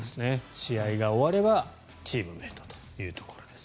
試合が終わればチームメートというところです。